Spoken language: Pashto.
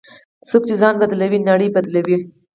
څوک چې ځان بدلوي، نړۍ بدلوي.